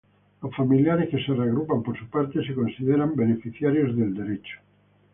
Los familiares que se reagrupan, por su parte, se consideran beneficiarios del derecho.